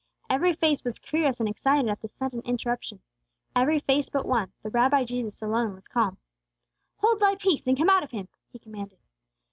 Every face was curious and excited, at this sudden interruption, every face but one; the Rabbi Jesus alone was calm. "Hold thy peace and come out of him!" He commanded.